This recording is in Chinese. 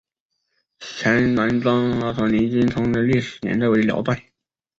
前南庄陀罗尼经幢的历史年代为辽代。